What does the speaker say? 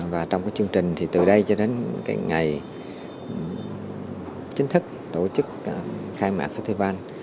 và trong chương trình thì từ đây cho đến ngày chính thức tổ chức khai mạc festival